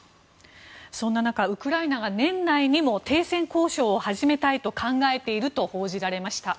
そんな中、ウクライナが年内にも停戦交渉を始めたいと考えていると報じられました。